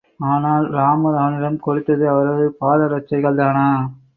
ஆனால் ராமர் அவனிடம் கொடுத்தது அவரது பாதரட்சைகள் தானா?